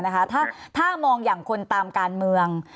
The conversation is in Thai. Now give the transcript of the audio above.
ก็แล้วแต่นะคะถ้ามองอย่างคนตามการเมือง